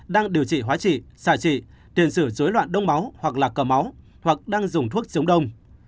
đang điều trị hóa trị xả trị tiền sử dối loạn đông máu hoặc lạc cầm máu hoặc đang dùng thuốc giống đông